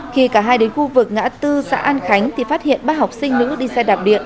khi cả hai đến khu vực ngã tư xã an khánh thì phát hiện ba học sinh nữ đi xe đạp điện